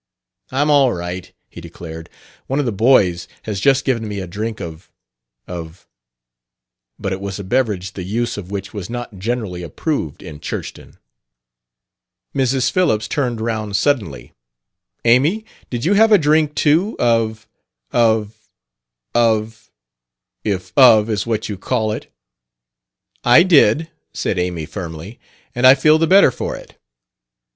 "I'm all right," he declared. "One of the boys has just given me a drink of of " But it was a beverage the use of which was not generally approved in Churchton. Mrs. Phillips turned round suddenly. "Amy, did you have a drink, too, of of of if 'Of' is what you call it?" "I did," said Amy firmly; "and I feel the better for it."